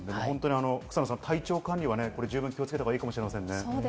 草野さん、体調管理は十分気をつけたほうがいいかもしれませんね。